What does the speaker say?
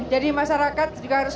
jadi masyarakat juga harus